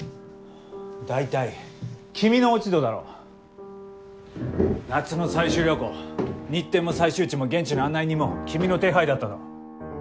大体君の落ち度だろう！夏の採集旅行日程も採集地も現地の案内人も君の手配だったろう？